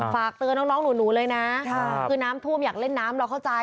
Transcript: ฝากเตือนน้องหนูเลยนะคือน้ำท่วมอยากเล่นน้ำเราเข้าใจ